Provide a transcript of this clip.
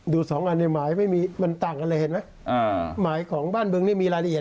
ดู๒อันนี้หมายไม่มีมันต่างกันเลยเห็นไหม